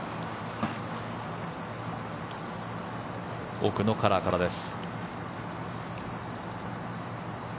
奥のカラーからです。